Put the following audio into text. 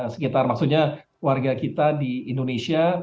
sekitar maksudnya warga kita di indonesia